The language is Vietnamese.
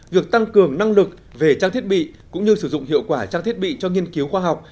việc tăng cường năng lực về trang thiết bị cũng như sử dụng hiệu quả trang thiết bị cho nghiên cứu khoa học